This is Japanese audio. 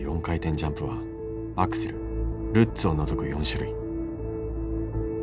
４回転ジャンプはアクセルルッツを除く４種類。